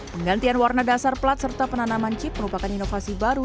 penggantian warna dasar plat serta penanaman chip merupakan inovasi baru